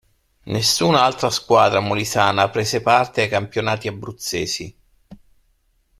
Nessuna altra squadra molisana prese parte ai campionati abruzzesi.